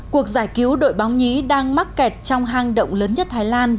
cuộc giải cứu đội bóng nhí đang mắc kẹt trong hang động lớn nhất thái lan